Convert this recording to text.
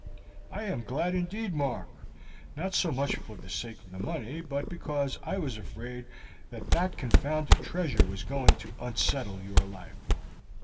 "I am glad indeed, Mark; not so much for the sake of the money, but because I was afraid that that confounded treasure was going to unsettle your life.